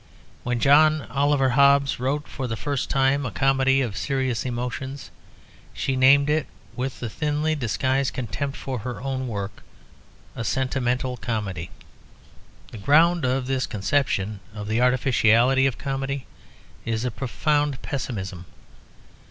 When John Oliver Hobbes wrote for the first time a comedy of serious emotions, she named it, with a thinly disguised contempt for her own work, "A Sentimental Comedy." The ground of this conception of the artificiality of comedy is a profound pessimism.